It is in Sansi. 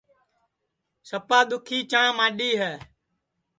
سپا دُؔکھی چاں ماڈؔی ہے